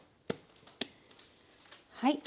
はい。